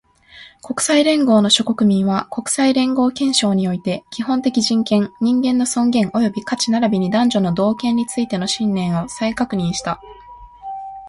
国際連合の諸国民は、国際連合憲章において、基本的人権、人間の尊厳及び価値並びに男女の同権についての信念を再確認した